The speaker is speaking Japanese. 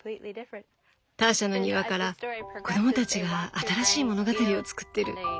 ターシャの庭から子供たちが新しい物語を作ってる！